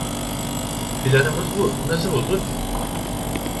Planımız bu, nasıl buldun?